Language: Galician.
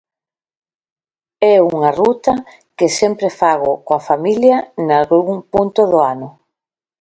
É unha ruta que sempre fago coa familia nalgún punto do ano.